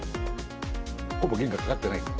ほぼ原価かかってないから。